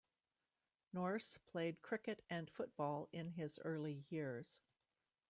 Nourse played cricket and football in his early years.